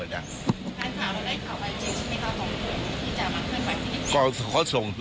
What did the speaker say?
พระเจ้าจะมาชุมนุมแจ้งการข่าวไว้ดีกันไหม